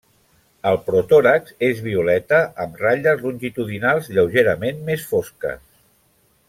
El protòrax és violeta amb ratlles longitudinals lleugerament més fosques.